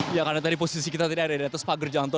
ya karena tadi posisi kita tadi ada di atas pagar jalan tol